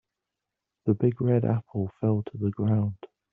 The big red apple fell to the ground.